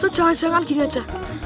jangan jangan gini aja